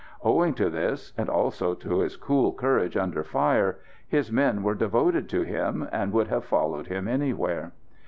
Owing to this, and also to his cool courage under fire, his men were devoted to him, and would have followed him anywhere.